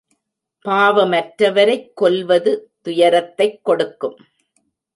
பாவமற்றவரைக் கொல்வது துயரத்தைக் கொடுக்கும்.